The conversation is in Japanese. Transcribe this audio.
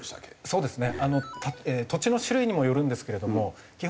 そうですね。